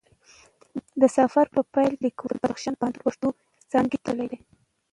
د سفر په پای کې لیکوال د بدخشان پوهنتون پښتو څانګی ته تللی دی